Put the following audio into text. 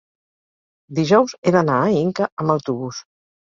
Dijous he d'anar a Inca amb autobús.